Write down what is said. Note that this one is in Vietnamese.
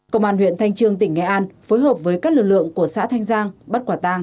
công an huyện thanh trương tỉnh nghệ an phối hợp với các lực lượng của xã thanh giang bắt quả tàng